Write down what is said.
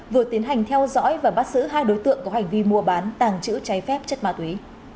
vừa tiến hành theo dõi và bắt giữ hai đối tượng có hành vi mua bán tàng trữ trái phép chất ma túy